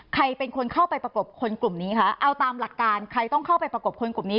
ใครเป็นคนเข้าไปประกบคนกลุ่มนี้คะเอาตามหลักการใครต้องเข้าไปประกบคนกลุ่มนี้